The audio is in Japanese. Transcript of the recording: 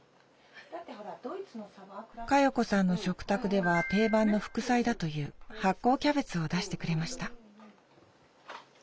加代子さんの食卓では定番の副菜だという発酵キャベツを出してくれました